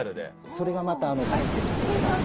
それがまたあえてちょっとねらって。